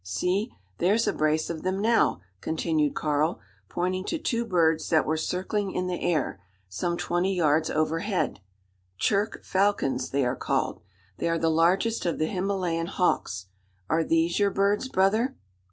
See, there's a brace of them now!" continued Karl, pointing to two birds that were circling in the air, some twenty yards overhead. "`Churk' falcons they are called. They are the largest of the Himalayan hawks. Are these your birds, brother?"